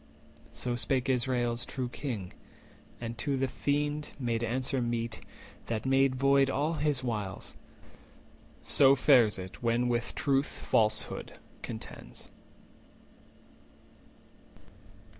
440 So spake Israel's true King, and to the Fiend Made answer meet, that made void all his wiles. So fares it when with truth falsehood contends.